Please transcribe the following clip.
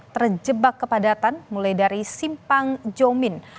terjebak kepadatan mulai dari simpang jomin